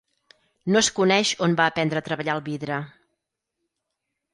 No es coneix on va aprendre a treballar el vidre.